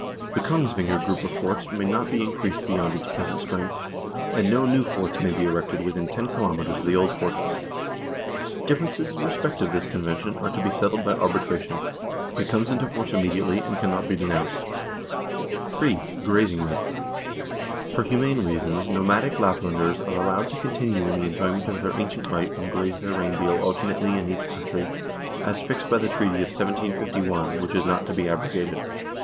The Kongsvinger group of forts may not be increased beyond its present strength, and no new forts may be erected within ten kilometres of the old fortress. Differences in respect of this convention are to be settled by arbitration. It comes into force immediately, and cannot be denounced. 3. Grazing rights. For humane reasons nomadic Laplanders are to be allowed to continue in the enjoyment of their ancient right and graze their reindeer alternately in each country, as fixed by the treaty of 1751, which is not to be abrogated.